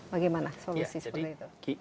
bagaimana solusi seperti itu